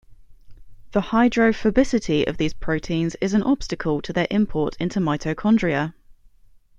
The hydrophobicity of these proteins is an obstacle to their import into mitochondria.